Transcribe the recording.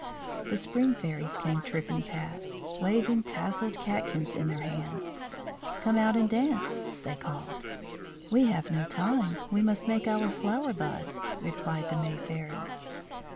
The Spring Fairies came tripping past, waving tasselled catkins in their hands. "Come out and dance," they called. "We have no time. We must make our flower buds," replied the May Fairies.